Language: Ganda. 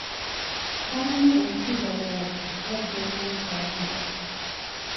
Banne enfiirabulago, bajja okumukyalira.